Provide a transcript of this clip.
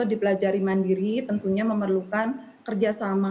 yang diperlukan perkembangan kondisi tentunya memerlukan kerjasama